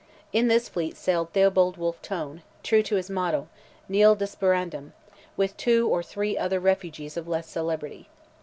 In this fleet sailed Theobold Wolfe Tone, true to his motto, nil desperandum, with two or three other refugees of less celebrity.